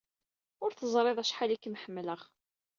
Ur teẓrid acḥal ay kem-ḥemmleɣ.